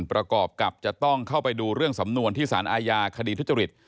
ประกอบกับจะต้องเข้าไปดูเรื่องสำนวนที่สารอาญาคดีทุจริต